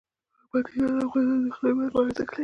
پکتیا د افغانستان د اقتصادي ودې لپاره ارزښت لري.